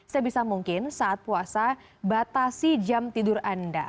sebisa mungkin saat puasa batasi jam tidur anda